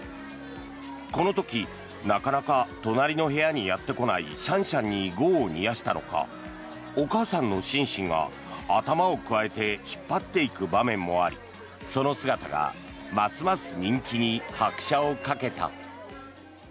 この時なかなか隣の部屋にやってこないシャンシャンに業を煮やしたのかお母さんのシンシンが頭をくわえて引っ張っていく場面もありその姿がますます人気に拍車をかけた。